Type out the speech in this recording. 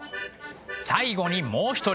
最後にもう一人。